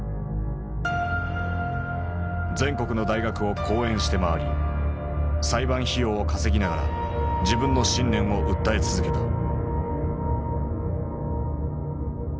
全国の大学を講演して回り裁判費用を稼ぎながら自分の信念を訴え続けた。